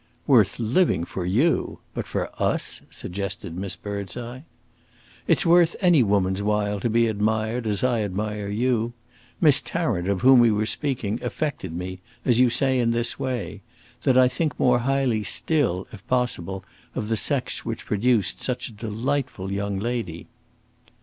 "Worth living for you! But for us?" suggested Miss Birdseye. "It's worth any woman's while to be admired as I admire you. Miss Tarrant, of whom we were speaking, affected me, as you say, in this way that I think more highly still, if possible, of the sex which produced such a delightful young lady."